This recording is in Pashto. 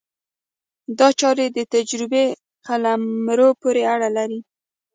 دا چارې د تجربې قلمرو پورې اړه لري.